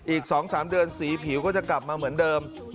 อีก๒๓เดือนสีผิวก็จะกลับมาเหมือนเดิม